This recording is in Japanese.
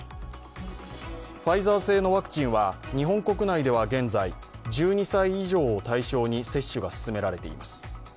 ファイザー製のワクチンは日本国内では現在１２歳以上を対象に接種が進められています。